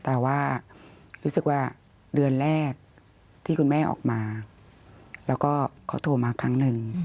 แต่ว่ารู้สึกว่าเดือนแรกที่คุณแม่ออกมาแล้วก็เขาโทรมาครั้งหนึ่ง